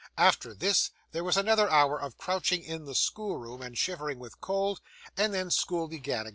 After this, there was another hour of crouching in the schoolroom and shivering with cold, and then school began again.